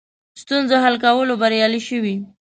ستونزو حل کولو بریالي شوي.